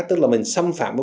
tức là mình xâm phạm